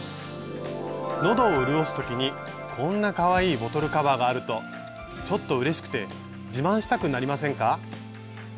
喉を潤す時にこんなかわいいボトルカバーがあるとちょっとうれしくて自慢したくなりませんか？